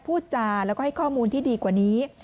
พูดจาแล้วก็ให้ข้อมูลที่ดีกว่านี้